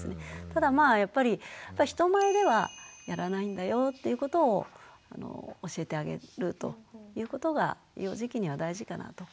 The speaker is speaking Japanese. ただまあやっぱり人前ではやらないんだよっていうことを教えてあげるということが幼児期には大事かなと。